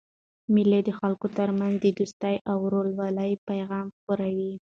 مېلې د خلکو ترمنځ د دوستۍ او ورورولۍ پیغام خپروي.